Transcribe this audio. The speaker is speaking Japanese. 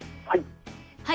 はい。